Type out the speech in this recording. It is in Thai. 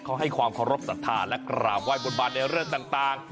เขาให้ความเคารพสัทธาและกราบไห้บนบานในเรื่องต่าง